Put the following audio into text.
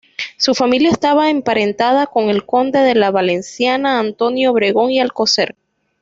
Su familia estaba emparentada con el conde de la Valenciana Antonio Obregón y Alcocer.